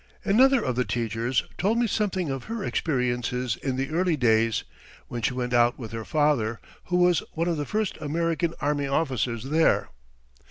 Another of the teachers told me something of her experiences in the early days, when she went out with her father, who was one of the first American army officers there.